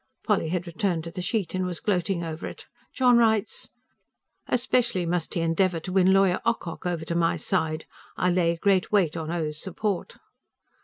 Polly had returned to the sheet, and was gloating over it. "John writes: "ESPECIALLY MUST HE ENDEAVOUR TO WIN LAWYER OCOCK OVER TO MY SIDE. I LAY GREAT WEIGHT ON O.'S SUPPORT.